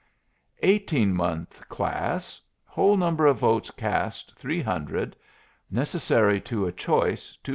Eighteen month class: Whole number of votes cast, 300; necessary to a choice, 225.